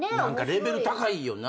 レベル高いよな。